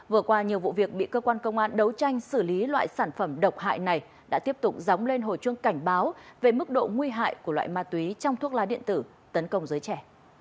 vừa qua nhiều vụ việc bị cơ quan công an đấu tranh xử lý loại sản phẩm độc hại này đã tiếp tục dóng lên hồi chuông cảnh báo về mức độ nguy hại của loại ma túy trong thuốc lá điện tử tấn công giới trẻ